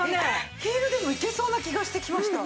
ヒールでもいけそうな気がしてきました。